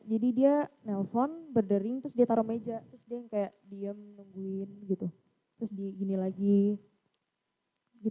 jadi dia menelpon berdering terus dia taruh meja terus dia kayak diam nungguin gitu terus di gini lagi